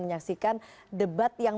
menyaksikan debat yang